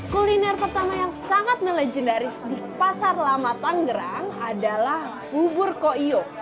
kuliner pertama yang sangat melejendaris di pasar lama tangerang adalah ubur koiok